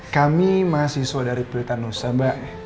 kami mahasiswa dari pelitanusa mbak